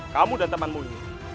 kamu dan temanmu ini akan habis